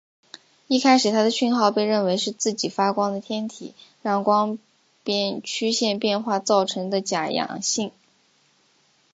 一开始它的讯号被认为是自己发光的天体让光变曲线变化造成的假阳性。